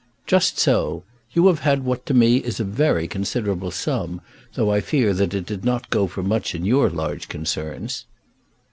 "Just so. You have had what to me is a very considerable sum, though I fear that it did not go for much in your large concerns."